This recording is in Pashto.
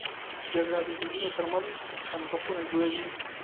جګړه د ذهنونو تر منځ خندقونه جوړوي